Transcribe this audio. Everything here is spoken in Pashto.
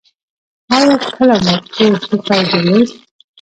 ایا کله مو تور ټوخی درلود؟